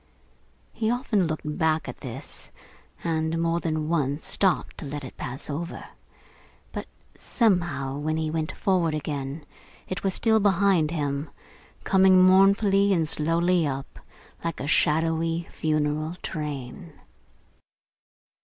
He often looked back at this, and, more than once, stopped to let it pass over; but, somehow, when he went forward again, it was still behind him, coming mournfully and slowly up, like a shadowy funeral train.